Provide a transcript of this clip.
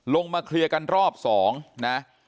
ลงมาเคลียร์กันรอบ๒นะ